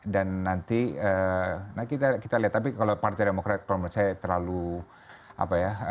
dan nanti kita lihat tapi kalau partai demokrati menurut saya terlalu apa ya